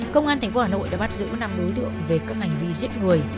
công an thành phố hà nội đã bắt giữ năm đối tượng về các hành vi giết người